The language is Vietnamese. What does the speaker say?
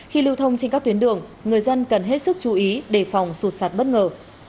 khi lưu thông trên các tuyến đường người dân cần hết sức chú ý đề phòng sụt sạt bất ngờ